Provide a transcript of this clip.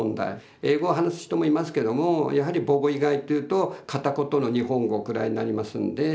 英語を話す人もいますけどもやはり母語以外っていうと片言の日本語くらいになりますんで。